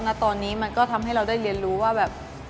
ณตอนนี้มันก็ทำให้เราได้เรียนรู้ว่าแบบ